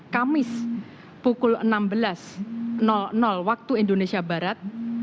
kamis pukul enam belas waktu indonesia barat